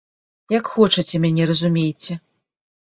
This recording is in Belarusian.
Як хочаце мяне разумейце.